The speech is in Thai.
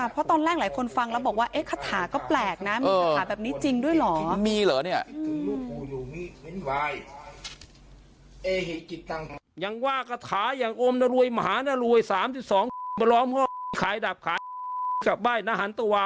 เพราะตอนแรกหลายคนฟังแล้วบอกว่าคาถาก็แปลกนะมีคาถาแบบนี้จริงด้วยเหรอ